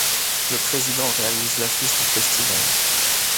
Le Président réalise l'affiche du festival.